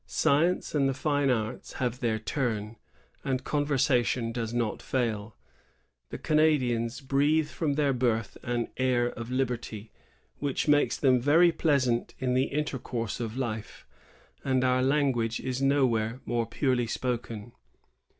Science and the fine arts have their turn, and conversation does not fail. The Canadians breathe from their birth an air of Uberty, which makes them very pleas ant in the intercourse of life, and our language is nowhere more purely spoken.